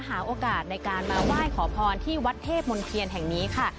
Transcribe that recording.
หาโอกาสในการมาไหว้ขอพรที่วัดเทพมนเทียนแห่งนี้ค่ะ